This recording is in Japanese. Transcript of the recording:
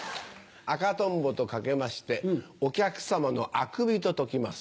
赤とんぼと掛けましてお客様のあくびと解きます。